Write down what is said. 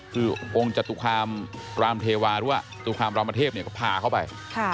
คือองค์จตุครามรามเทวาด้วยตุครามรามเทพเนี่ยก็พาเข้าไป